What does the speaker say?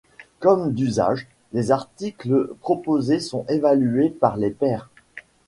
Comme d'usage, les articles proposés sont évalués par les pairs.